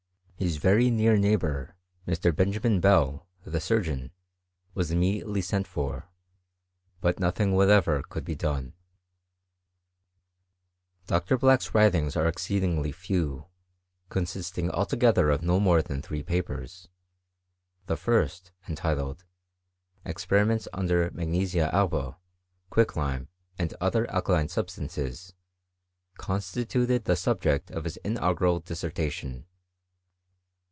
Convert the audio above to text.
His very near neighbour, Mr. Benjamin Bell, the surgeon, was immediately sent for ; but no^ thing whatever could be done.* Dr. Black's writings are exceedingly few, consisting^ altogether of no more than three papers. The first, entitled '' Experiments upon Magnesia alba, QuickC lime, and other Alkaline Substances," constituted the subject of his inaugural dissertation.